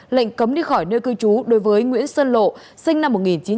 lệnh cấm đi khỏi nơi cư trú đối với nguyễn sơn lộ sinh năm một nghìn chín trăm tám mươi